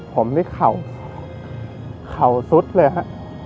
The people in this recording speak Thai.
ผมนี่เข่าเข่าสุดเลยฮะ